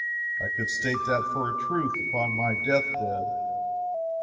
I could state that for a truth, upon my death bed.